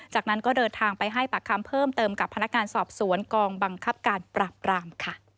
จากนั้นก็เดินทางไปให้ปากคำเพิ่มเติมกับพนักงานสอบสวนกองบังคับการปราบรามค่ะ